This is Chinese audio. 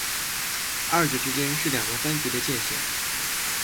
二者之间是两个分局的界线。